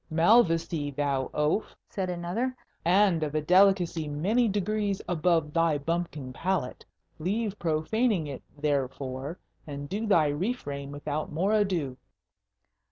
"Malvoisie, thou oaf?" said another; "and of a delicacy many degrees above thy bumpkin palate. Leave profaning it, therefore, and to thy refrain without more ado."